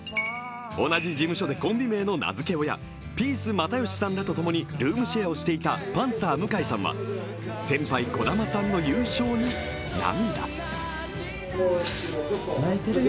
同じ事務所でコンビ名の名付け親、ピース・又吉さんらと共にルームシェアをしていたパンサー・向井さんは先輩・児玉さんの優勝に涙。